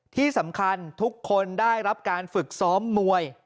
ที่สำคัญทุกคนได้รับการฝึกซ้อมมวย